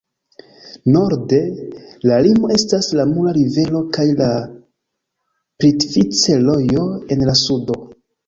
Norde, la limo estas la Mura Rivero kaj la Plitvice-Rojo en la sudo.